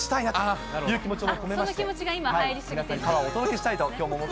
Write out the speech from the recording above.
その気持ちが今、入り過ぎて？